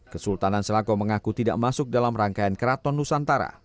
kesultanan selako mengaku tidak masuk dalam rangkaian keraton nusantara